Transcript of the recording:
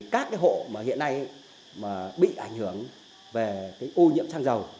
các hộ mà hiện nay bị ảnh hưởng về ô nhiễm xăng dầu